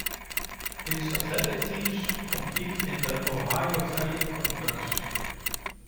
Its athletic teams compete in the Ohio Valley Conference.